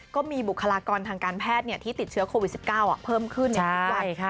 บุคลากรทางการแพทย์ที่ติดเชื้อโควิด๑๙เพิ่มขึ้นในทุกวัน